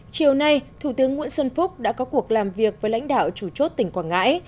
chiều nay thủ tướng nguyễn xuân phúc đã có cuộc làm việc với lãnh đạo chủ chốt tỉnh quảng ngãi